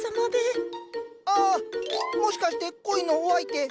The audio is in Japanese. あっもしかして恋のお相手？